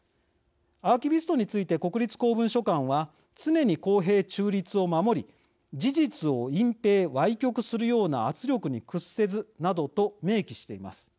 アーキビストについて国立公文書館は常に公平・中立を守り事実を隠蔽・わい曲するような圧力に屈せずなどと明記しています。